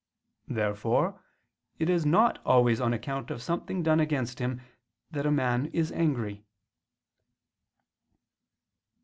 Therefore it is not always on account of something done against him, that a man is angry.